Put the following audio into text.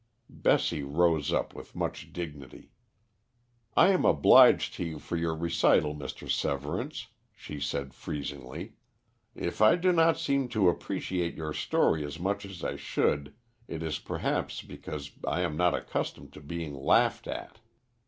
Bessie rose up with much dignity. "I am obliged to you for your recital, Mr. Severance," she said freezingly. "If I do not seem to appreciate your story as much as I should, it is perhaps because I am not accustomed to being laughed at."